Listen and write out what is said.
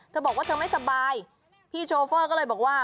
เธอบอกว่าเธอไม่สบายพี่โชเฟอร์ก็เลยบอกว่า